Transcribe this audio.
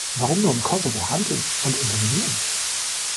Warum nur im Kosovo handeln und intervenieren?